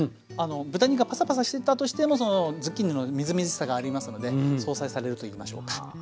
豚肉がパサパサしてたとしてもズッキーニのみずみずしさがありますので相殺されるといいましょうか。